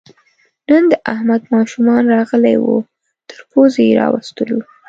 نن د احمد ماشومان راغلي وو، تر پوزې یې راوستلو.